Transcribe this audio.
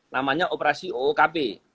namanya operasi ookp